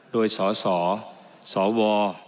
โดยสสสว